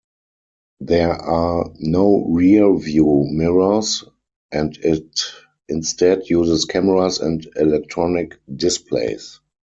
There are no rear view mirrors and it instead uses cameras and electronic displays.